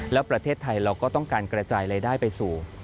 แล้วประเทศไทยเราก็ต้องการกระจายรายได้ไปสู่